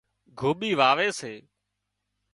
گوٻي واوي سي